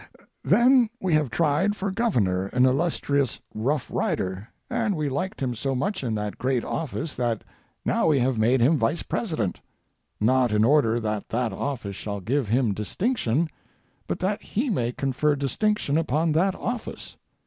Then we have tried for governor an illustrious Rough Rider, and we liked him so much in that great office that now we have made him Vice President—not in order that that office shall give him distinction, but that he may confer distinction upon that office.